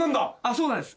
そうなんです。